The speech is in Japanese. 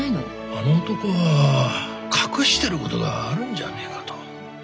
あの男は隠してることがあるんじゃねえかと。